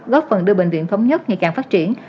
góp phần đưa bệnh viện thống nhất ngày càng phát triển